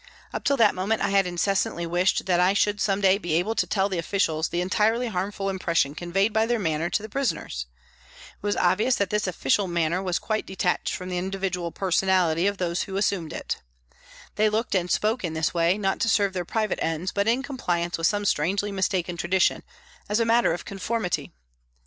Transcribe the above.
Up till that moment I had incessantly wished that I should some day be able to tell the officials the entirely harmful impression conveyed by their manner to the prisoners. It was obvious that this official manner P. H 98 PRISONS AND PRISONERS was quite detached from the individual personality of those who assumed it. They looked and spoke in this way, not to serve their private ends, but in com pliance with some strangely mistaken tradition, as a matter of conformity.